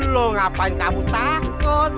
loh ngapain kamu takut